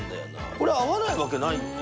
これ合わないわけないよね。